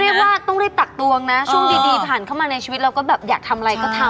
เรียกว่าต้องรีบตักตวงนะช่วงดีผ่านเข้ามาในชีวิตเราก็แบบอยากทำอะไรก็ทำ